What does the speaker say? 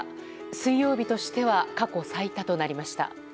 水曜日としては過去最多となりました。